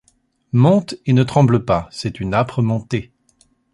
Monte, et ne tremble pas. C’est une âpre montée.